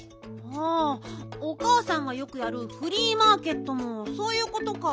あおかあさんがよくやるフリーマーケットもそういうことか。